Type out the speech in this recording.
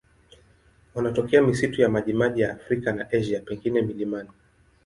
Wanatokea misitu ya majimaji ya Afrika na Asia, pengine milimani.